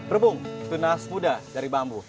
rebung tunas muda dari bambu